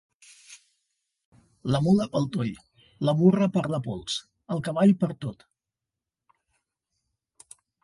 La mula pel toll, la burra per la pols, el cavall pertot.